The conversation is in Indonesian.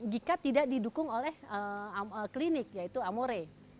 jika tidak didukung oleh klinik yaitu amore